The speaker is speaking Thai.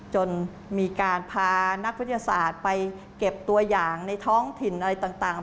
จนมีการพานักวิทยาศาสตร์ไปเก็บตัวอย่างในท้องถิ่นอะไรต่าง